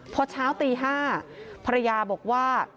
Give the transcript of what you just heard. พอเช้าตี๕ภรรยาบอกว่า